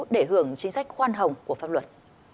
để hưởng chính sách khoan hồng của pháp luật